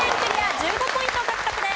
１５ポイント獲得です。